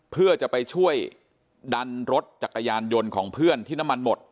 เพื่อจะไปช่วยดันรถจักรยานยนต์ของเพื่อนที่น้ำมันหมด